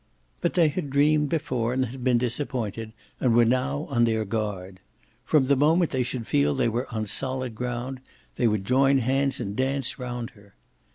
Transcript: But they had dreamed before and been disappointed and were now on their guard. From the moment they should feel they were on solid ground they would join hands and dance round her.